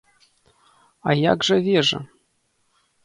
А як жа вежа?